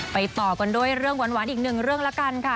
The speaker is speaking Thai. ต่อกันด้วยเรื่องหวานอีกหนึ่งเรื่องละกันค่ะ